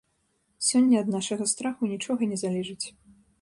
Сёння ад нашага страху нічога не залежыць.